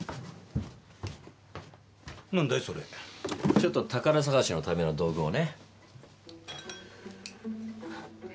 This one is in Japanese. ちょっと宝探しのための道具をね。